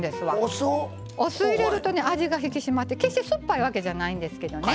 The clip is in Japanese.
お酢入れるとね味が引き締まって決して酸っぱいわけじゃないんですけどね。